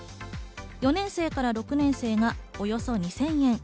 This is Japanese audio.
４年生から６年生がおよそ２０００円。